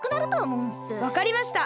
わかりました。